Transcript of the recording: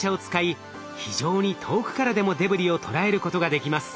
非常に遠くからでもデブリを捉えることができます。